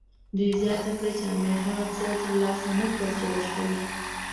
دوی زیاته کړه چې امیر هغه څه ترلاسه نه کړل چې غوښتل یې.